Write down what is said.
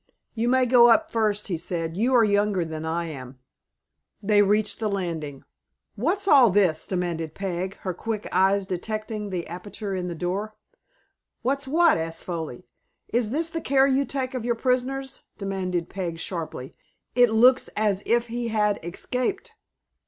"You may go up first," he said; "you are younger than I am." They reached the landing. "What's all this?" demanded Peg, her quick eyes detecting the aperture in the door. "What's what?" asked Foley. "Is this the care you take of your prisoners?" demanded Peg, sharply. "It looks as if he had escaped."